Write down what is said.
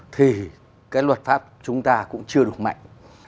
thì cái luật pháp chúng ta cũng chưa đủ mạnh